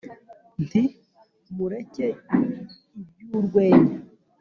Nti : mureke iby'urwenya,